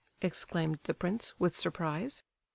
exclaimed the prince, with surprise.